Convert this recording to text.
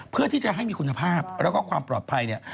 เพื่อที่จะให้มีคุณภาพแล้วก็ความปลอดภัยเนี่ย